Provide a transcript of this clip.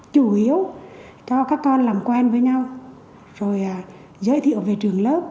chủ yếu cho các con làm quen với nhau rồi giới thiệu về trường lớp